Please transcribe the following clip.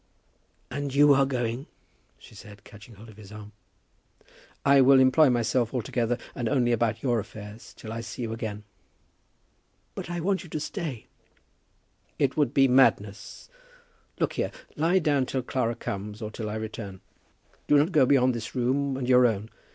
"And you are going?" she said, catching hold of his arm. "I will employ myself altogether and only about your affairs, till I see you again." "But I want you to stay." "It would be madness. Look here; lie down till Clara comes or till I return. Do not go beyond this room and your own.